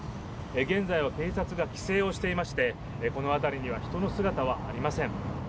現在は警察が規制をしていましてこの辺りには人の姿はありません。